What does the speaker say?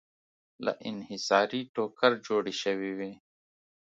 له انحصاري ټوکر جوړې شوې وې.